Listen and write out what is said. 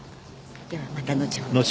ではまた後ほど。